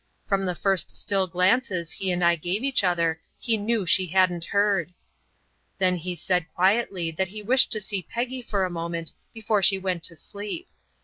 From the first still glances he and I gave each other he knew she hadn't heard. Then he said quietly that he had wished to see Peggy for a moment before she went to sleep.